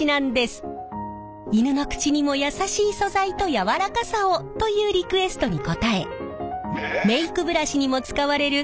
犬の口にも優しい素材と柔らかさをというリクエストに応えメイクブラシにも使われる